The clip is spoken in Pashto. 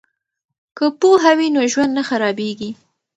که پوهه وي نو ژوند نه خرابیږي.